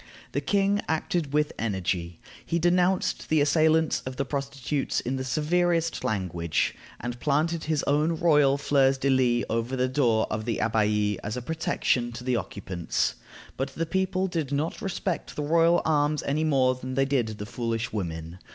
The king acted with energy. He denounced the assailants of the prostitutes in the severest language, and planted his own royal fleurs de lis over the door of the Abbaye as a protection to the occupants. But the people did not respect the royal arms any more than they did the "foolish women."